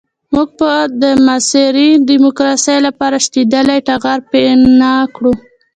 موږ به د معاصرې ديموکراسۍ لپاره شلېدلی ټغر پينه کړو.